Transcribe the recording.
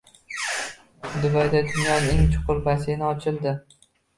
Dubayda dunyodagi eng chuqur basseyn ochildi